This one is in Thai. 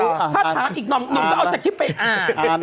ถ้าถามอีกน้องหนุ่มก็เอาสักคลิปไปอ่าน